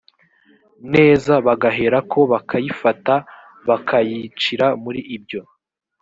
neza bagaherako bakayifata bakay cira muri ibyo